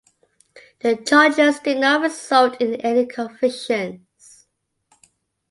The charges did not result in any convictions.